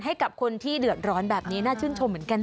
ให้กับคนที่เดือดร้อนแบบนี้น่าชื่นชมเหมือนกันนะ